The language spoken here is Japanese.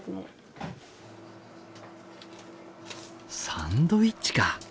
サンドイッチか。